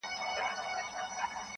ضمير بې قراره پاتې کيږي تل,